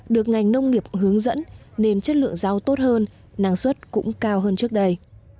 được ngành nông nghiệp hướng dẫn nên chất lượng rau tốt hơn năng suất cũng cao hơn trước đây